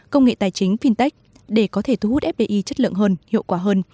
công nghệ tài chính fintech để có thể thu hút fdi chất lượng hơn hiệu quả hơn